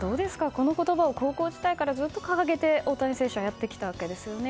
この言葉を高校時代からずっと掲げて大谷選手はやってきたわけですね。